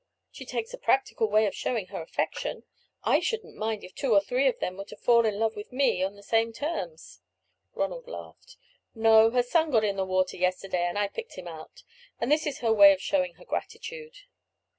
She takes a practical way of showing her affection. I shouldn't mind if two or three of them were to fall in love with me on the same terms." Ronald laughed. "No, her son got into the water yesterday, and I picked him out, and this is her way of showing her gratitude."